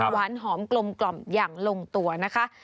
หวานหอมกลมอย่างลงตัวนะคะ